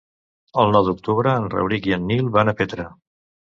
El nou d'octubre en Rauric i en Nil van a Petra.